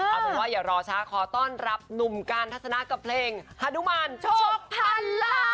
เอาเป็นว่าอย่ารอช้าขอต้อนรับหนุ่มการทัศนะกับเพลงฮานุมานโชคพันล้าน